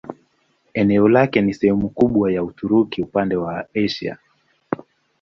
Eneo lake ni sehemu kubwa ya Uturuki upande wa Asia.